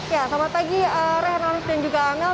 ya selamat pagi rehanis dan juga amel